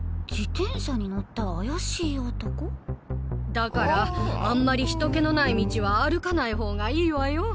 だからあんまり人気のない道は歩かない方がいいわよ。